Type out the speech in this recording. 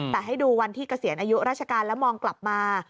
แต่ให้ดูวันที่เกษียณอายุราชการแล้วมองกลับมา